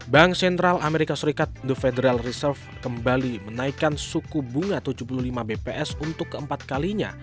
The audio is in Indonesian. bank sentral amerika serikat the federal reserve kembali menaikkan suku bunga tujuh puluh lima bps untuk keempat kalinya